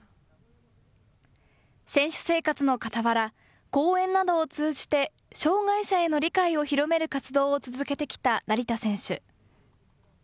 選手生活のかたわら、講演などを通じて障害者への理解を広める活動を続けてきた成田選手。